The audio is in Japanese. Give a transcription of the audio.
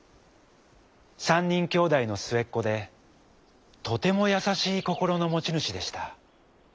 ３にんきょうだいのすえっこでとてもやさしいこころのもちぬしでした。